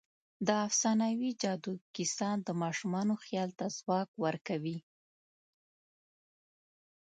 د افسانوي جادو کیسه د ماشومانو خیال ته ځواک ورکوي.